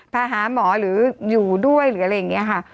ถ้าหาหมอหรืออยู่ด้วยหรืออะไรอย่างนี้ค่ะ